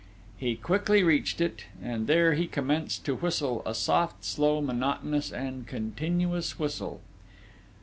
He quickly reached it; and there he commenced to whistle a soft, slow, monotonous, and continuous whistle.